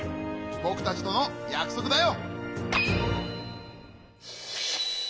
ぼくたちとのやくそくだよ！